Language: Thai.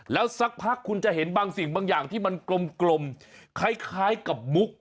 แล้วสักพักคุณจะเห็นบางสิ่งบางอย่างที่มันกลมคล้ายกับมุก